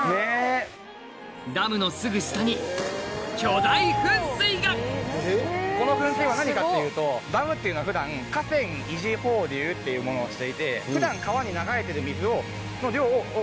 ダムのすぐ下にこの噴水は何かっていうとダムっていうのは普段。っていうものをしていて。